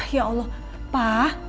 ya allah pa